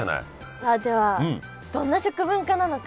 さあではどんな食文化なのか？